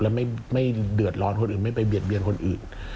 แล้วไม่เดือดร้อนคนอื่นไม่ไปเบียดเบียนคนอื่น